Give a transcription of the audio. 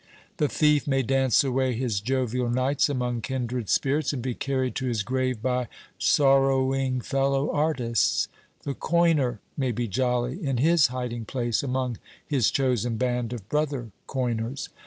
The thief may dance away his jovial nights among kindred spirits, and be carried to his grave by sorrowing fellow artists. The coiner may be jolly in his hiding place among his chosen band of brother coiners.